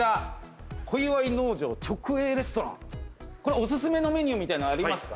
おすすめのメニューみたいなのありますか？